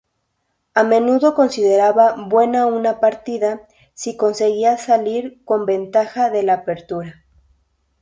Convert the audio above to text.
A menudo consideraba buena una partida si conseguía salir con ventaja de la apertura.